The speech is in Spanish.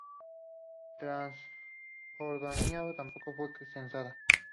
Transjordania tampoco fue censada.